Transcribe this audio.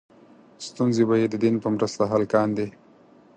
ستونزې به یې د دین په مرسته حل کاندې.